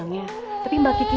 gak a bahasa